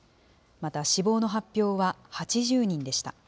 また、死亡の発表は８０人でした。